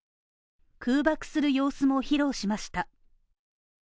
空爆する様子も披露しました。